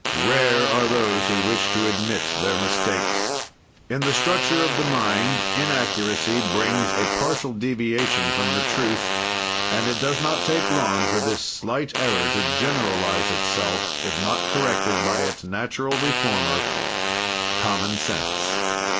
"Rare are those who wish to admit their mistakes. "In the structure of the mind, inaccuracy brings a partial deviation from the truth, and it does not take long for this slight error to generalize itself, if not corrected by its natural reformer common sense.